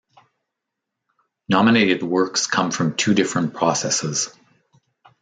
Nominated works come from two different processes.